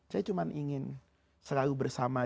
saya cuma ingin selalu bersama